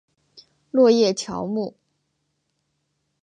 落叶乔木。